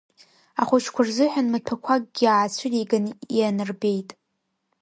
Ахәыҷқәа рзыҳәан маҭәақәакгьы аацәырган ианарбеит.